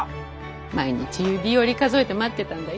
毎日指折り数えて待ってたんだよ。